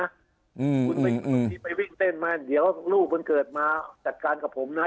บางทีไปวิ่งเต้นมาเดี๋ยวลูกมันเกิดมาจัดการกับผมนะ